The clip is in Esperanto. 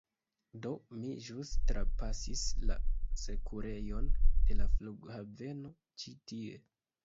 Do, mi ĵus trapasis la sekurejon de la flughaveno ĉi tie